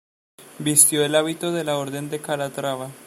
Vistió el hábito de la Orden de Calatrava.